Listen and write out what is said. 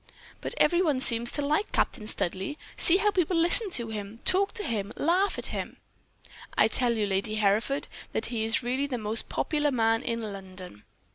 "'But every one seems to like Captain Studleigh. See how people listen to him, talk to him, laugh at him.' "'I tell you, Lady Hereford, that he is really the most popular man in London.'